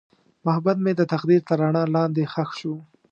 محبت مې د تقدیر تر رڼا لاندې ښخ شو.